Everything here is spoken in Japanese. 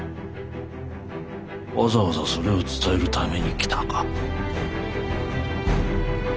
わざわざそれを伝えるために来たか。